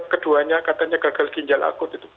kedua nya katanya gagal ginjal akut itu